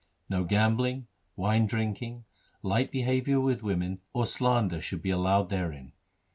No gambling, wine drinking, light behaviour with women, or slander, should be allowed therein.